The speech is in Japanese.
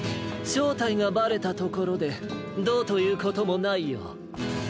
しょうたいがバレたところでどうということもないよ！